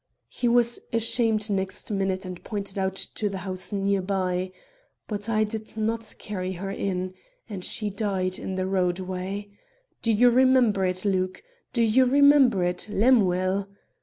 "He was ashamed next minute and pointed to the house near by. But I did not carry her in, and she died in the roadway. Do you remember it, Luke? Do you remember it, Lemuel?